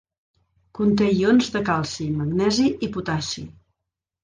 Conté ions de calci, magnesi i potassi.